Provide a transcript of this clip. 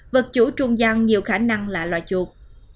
vật chủ trung gian nhiều khả năng là loài chuột